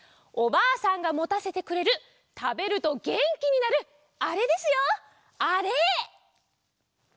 おばあさんがもたせてくれるたべるとげんきになるあれですよあれ！